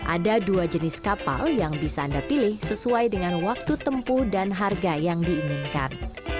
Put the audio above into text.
ada dua jenis kapal yang bisa anda pilih sesuai dengan waktu tempuh dan harga yang diinginkan